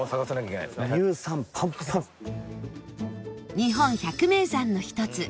日本百名山の一つ